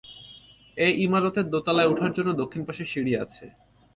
এ ইমারতের দোতালায় উঠার জন্য দক্ষিণ পাশে সিড়ি আছে।